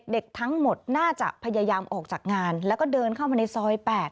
เด็กทั้งหมดน่าจะพยายามออกจากงานแล้วก็เดินเข้ามาในซอย๘